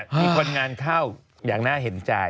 มีคนงานเข้าอย่างน่าเห็นใจ